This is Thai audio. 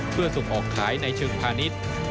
เพื่อส่งออกขายในเชิงพาณิชย์